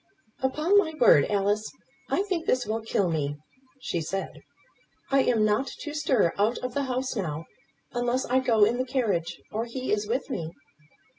"Upon my word, Alice, I think this will kill me," she said. "I am not to stir out of the house now, unless I go in the carriage, or he is with me."